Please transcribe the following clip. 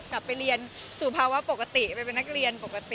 กลับไปเรียนสู่ภาวะปกติไปเป็นนักเรียนปกติ